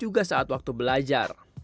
juga saat waktu belajar